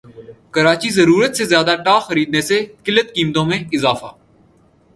کراچی ضرورت سے زیادہ ٹا خریدنے سے قلت قیمتوں میں اضافہ